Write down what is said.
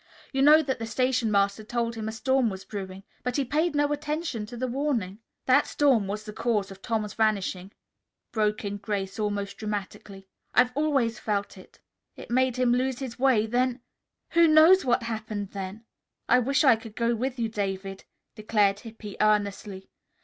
You know that the station master told him a storm was brewing, but he paid no attention to the warning." "That storm was the cause of Tom's vanishing," broke in Grace almost dramatically. "I've always felt it. It made him lose his way, then Who knows what happened then?" "I wish I could go with you, David," declared Hippy earnestly.